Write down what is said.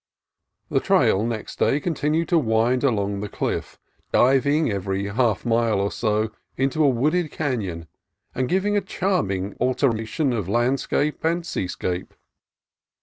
The trail next day continued to wind along the cliff, diving every half mile or so into a wooded canon and giving a charming alternation of land and sea scape.